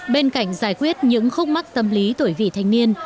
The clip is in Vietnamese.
bên cạnh giải quyết những khúc mắc tâm lý tuổi vị thanh niên